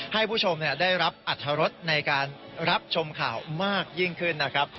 ให้ผู้ชมได้รับอรรถรสในการรับชมข่าวมากยิ่งขึ้นนะครับ